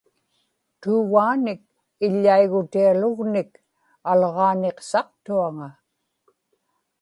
tuugaanik iḷḷaigutialugnik alġaaniqsaqtuaŋa